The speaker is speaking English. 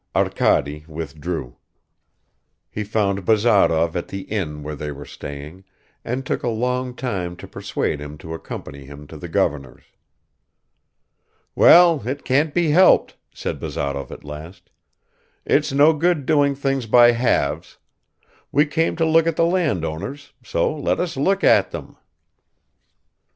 Arkady withdrew. He found Bazarov at the inn where they were staying, and took a long time to persuade him to accompany him to the governor's. "Well, it can't be helped," said Bazarov at last. "It's no good doing things by halves. We came to look at the landowners, so let us look at them!"